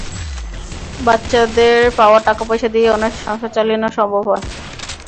বাচ্চাদের পাওয়া টাকা পয়সা দিয়েই অনায়াসে সংসার চালিয়ে নেওয়া সম্ভব হয়।